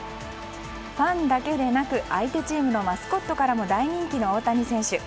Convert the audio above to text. ファンだけでなく相手チームのマスコットから大人気の大谷選手。